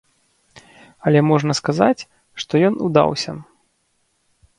Але можна сказаць, што ён удаўся.